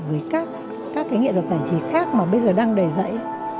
với các nghệ thuật giải trí khác mà bây giờ đang đầy dãy